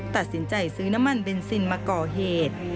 ตัดสินใจซื้อน้ำมันเบนซินมาก่อเหตุ